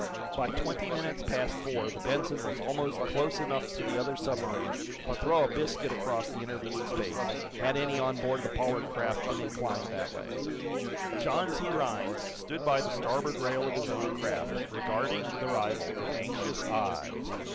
By twenty minutes past four the "Benson" was almost close enough to the other submarine to throw a biscuit across the intervening space, had any on board the Pollard craft been inclined that way. John C. Rhinds stood by the starboard rail of his own craft, regarding the rival with anxious eyes.